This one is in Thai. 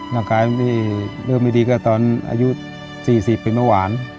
ร่างกายนี่เริ่มไม่ดีก็ตอนอายุ๔๐เป็นเบาหวาน